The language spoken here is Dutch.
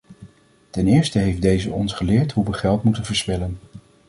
Ten eerste heeft deze ons geleerd hoe we geld moeten verspillen.